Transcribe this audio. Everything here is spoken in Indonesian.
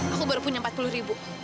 aku baru punya empat puluh ribu